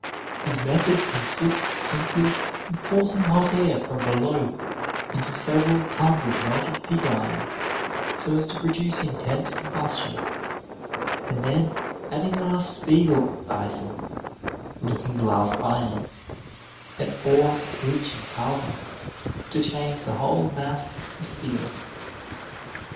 His method consists simply in forcing hot air from below into several tons of melted pig iron, so as to produce intense combustion; and then adding enough spiegel eisen (looking glass iron), an ore rich in carbon, to change the whole mass to steel.